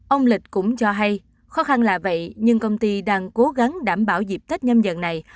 ông lịch cũng cho hay khó khăn là vậy nhưng công ty đang cố gắng đảm bảo dịp tết nhâm dần này